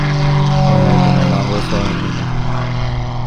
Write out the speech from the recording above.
It had been a long road for Mina.